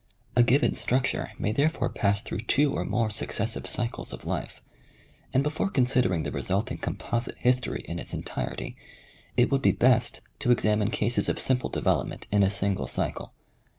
A given structure may therefore pass through two or more successive cycles of life, and before considering the resulting composite history in its entirety, it would be best to examine cases of simple development in a single cycle.